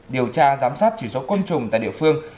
điều tra giám sát chỉ số côn trùng tại địa phương